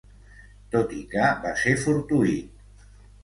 Tot i que va ser fortuït.